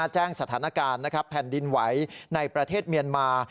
แจ้งสถานการณ์แผ่นดินไหวในประเทศเมียนมา